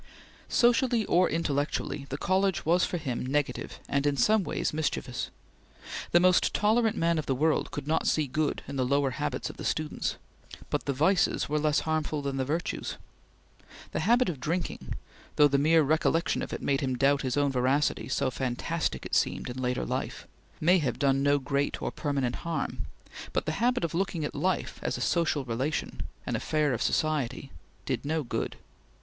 Socially or intellectually, the college was for him negative and in some ways mischievous. The most tolerant man of the world could not see good in the lower habits of the students, but the vices were less harmful than the virtues. The habit of drinking though the mere recollection of it made him doubt his own veracity, so fantastic it seemed in later life may have done no great or permanent harm; but the habit of looking at life as a social relation an affair of society did no good.